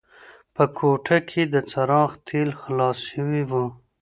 په کوټه کې د څراغ تېل خلاص شوي وو.